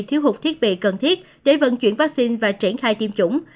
thiếu hụt thiết bị cần thiết để vận chuyển vaccine và triển khai tiêm chủng